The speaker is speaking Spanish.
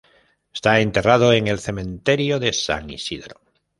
Está enterrado en el Cementerio de San Isidro.